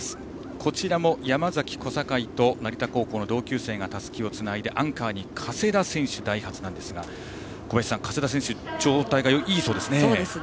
こちらも山崎、小坂井と成田高校の同級生がたすきをつないでアンカーに加世田選手ダイハツなんですが小林さん、加世田選手状態がいいそうですね。